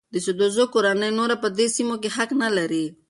د سدوزو کورنۍ نور په دې سیمو حق نه لري.